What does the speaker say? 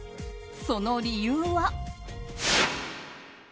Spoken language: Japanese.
その理由は。